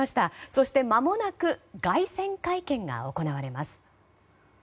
そして、まもなく凱旋会見が行われます。